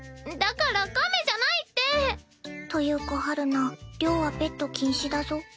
だから亀じゃないって！というか陽菜寮はペット禁止だぞ。